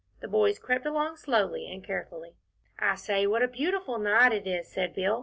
The boys crept along slowly and carefully. "I say, what a beautiful night it is," said Bill.